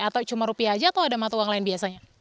atau cuma rupiah aja atau ada mata uang lain biasanya